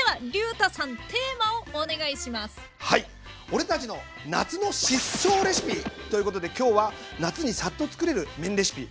「俺たちの夏の疾走レシピ！」ということで今日は夏にサッとつくれる「麺レシピ」